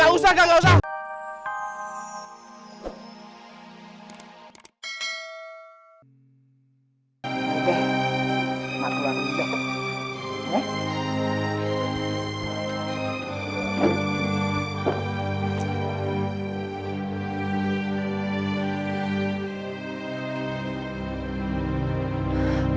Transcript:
kagak usah kagak usah